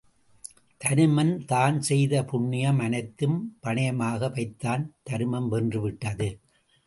தருமன் தான் செய்த புண்ணியம் அனைத்தும் பணயமாக வைத்தான் தருமம் வென்று விட்டது.